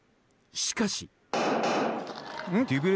しかし。